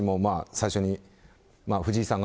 最初に藤井さんが、